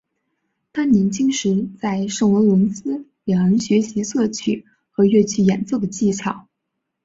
他年轻时在圣罗伦兹两人学习作曲和乐器演奏的技巧。